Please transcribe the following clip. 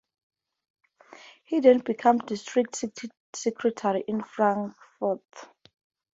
He then became district secretary in Frankfurt.